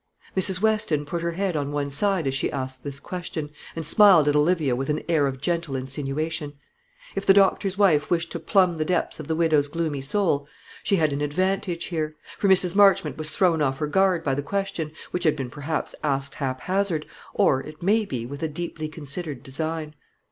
Mrs. Weston put her head on one side as she asked this question, and smiled at Olivia with an air of gentle insinuation. If the doctor's wife wished to plumb the depths of the widow's gloomy soul, she had an advantage here; for Mrs. Marchmont was thrown off her guard by the question, which had been perhaps asked hap hazard, or it may be with a deeply considered design.